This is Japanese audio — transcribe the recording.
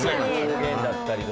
方言だったりとか。